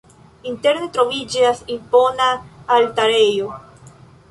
Interne troviĝas impona altarejo.